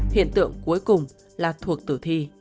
hiện tượng cuối cùng là thuộc tử thi